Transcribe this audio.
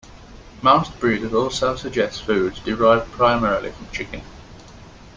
Most breeders also suggest foods derived primarily from chicken.